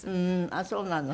あっそうなの。